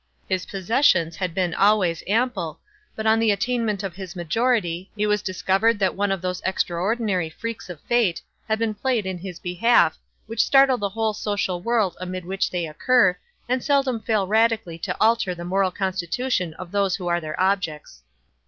His possessions had been always ample; but on the attainment of his majority, it was discovered that one of those extraordinary freaks of fate had been played in his behalf which startle the whole social world amid which they occur, and seldom fail radically to alter the moral constitution of those who are their objects.